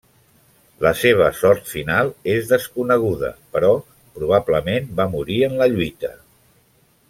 La seva sort final és desconeguda però probablement va morir en la lluita.